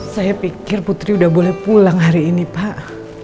saya pikir putri sudah boleh pulang hari ini pak